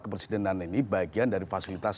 kepresidenan ini bagian dari fasilitas